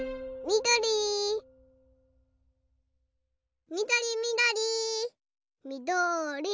みどりみどり。